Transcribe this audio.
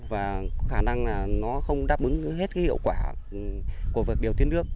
và có khả năng là nó không đáp ứng hết cái hiệu quả của việc điều tiết nước